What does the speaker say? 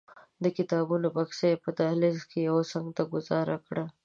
د کتابونو بکس یې په دهلیز کې یوه څنګ ته ګوزار کړ.